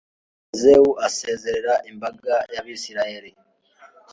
yozuwe asezerera imbaga y'abayisraheli